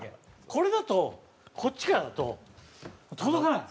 これだとこっちからだと届かない。